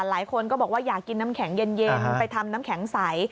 หลายคนก็บอกว่าอยากกินน้ำแข็งเย็นไปทำน้ำแข็งใส